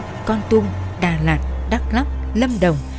pleiku con tung đà lạt đắk lắp lâm đồng